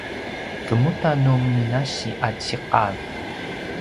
kemuda nu minasi a ciqav?